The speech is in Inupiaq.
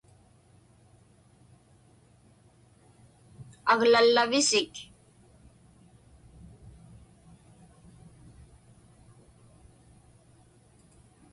Aglallavisik?